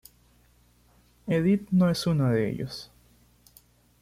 Edith no es uno de ellos.